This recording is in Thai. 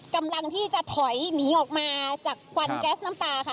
กำลังที่จะถอยหนีออกมาจากควันแก๊สน้ำตาค่ะ